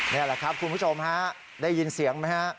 นี่แหละครับคุณผู้ชมฮะได้ยินเสียงไหมฮะ